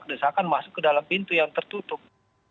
desakan masuk ke dalam pintu yang tertutup